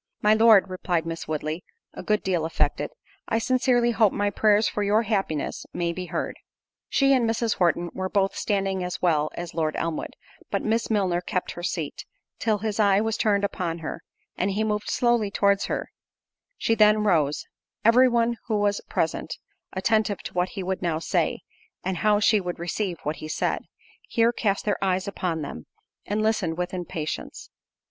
"My Lord," replied Miss Woodley, a good deal affected, "I sincerely hope my prayers for your happiness may be heard." She and Mrs. Horton were both standing as well as Lord Elmwood; but Miss Milner kept her seat, till his eye was turned upon her, and he moved slowly towards her; she then rose:—every one who was present, attentive to what he would now say, and how she would receive what he said, here cast their eyes upon them, and listened with impatience.